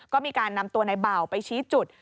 ก็มีการนำตัวในเบาไปชี้จุด